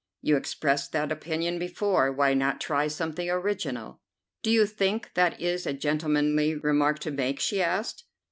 "You expressed that opinion before. Why not try something original?" "Do you think that is a gentlemanly remark to make?" she asked.